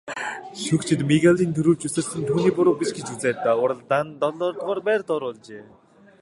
Шүүгчид Мигелийн түрүүлж үсэрсэн нь түүний буруу биш гэж үзээд уралдаанд долдугаарт байрт оруулжээ.